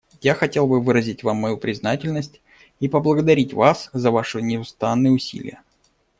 Я хотел бы выразить Вам мою признательность и поблагодарить Вас за Ваши неустанные усилия.